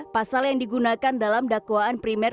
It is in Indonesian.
pasal yang digunakan dalam dakwaan primer